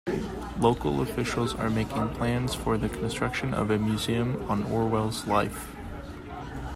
Local officials are making plans for the construction of a museum on Orwell's life.